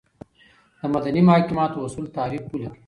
دمدني محاکماتو اصولو تعریف ولیکئ ؟